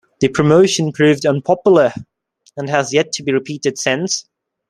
The promotion proved unpopular, and has yet to be repeated since.